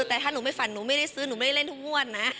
แต่ถ้าหนูไม่ฝันหนูไม่ได้ซื้อหนูไม่ได้เล่นทุกงวดนะ